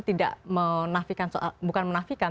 tidak menafikan bukan menafikan